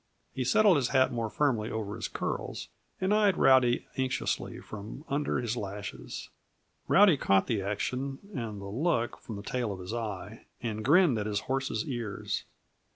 He settled his hat more firmly over his curls, and eyed Rowdy anxiously from under his lashes. Rowdy caught the action and the look from the tail of his eye, and grinned at his horse's ears.